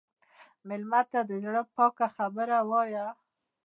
مېلمه ته د زړه پاکه خبره وایه.